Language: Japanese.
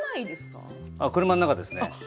車の中です。